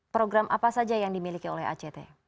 program apa saja yang dimiliki oleh act